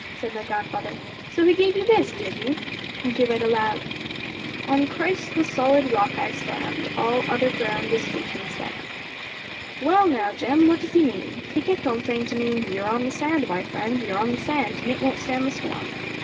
said my grandfather 'So he gave you this, did he?' and he read aloud: 'On Christ, the solid Rock, I stand, All other ground is sinking sand.' 'Well now, Jem, what does he mean? He kept on saying to me, "You're on the sand, my friend; you're on the sand, and it won't stand the storm!"